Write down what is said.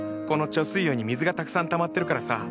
この貯水葉に水がたくさんたまってるからさ